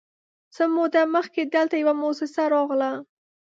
_څه موده مخکې دلته يوه موسسه راغله،